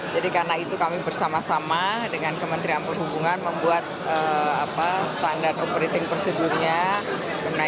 jadi karena itu kami bersama sama dengan kementerian perhubungan membuat standar operating procedure nya